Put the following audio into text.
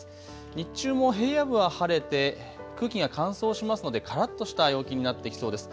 日中も平野部は晴れて空気が乾燥しますのでからっとした陽気になってきそうです。